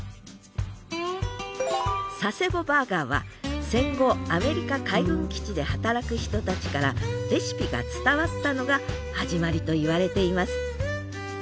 佐世保バーガーは戦後アメリカ海軍基地で働く人たちからレシピが伝わったのが始まりといわれています